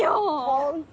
ホント。